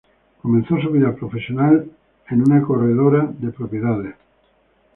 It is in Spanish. Comenzó su vida profesional en una corredora de propiedades.